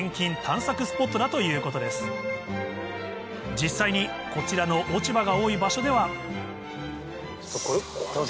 実際にこちらの落ち葉が多い場所ではこれ。